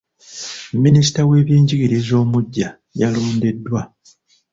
Minisita w'ebyenjigieiza omuggya yalondeddwa.